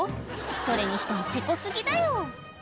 それにしてもセコ過ぎだよ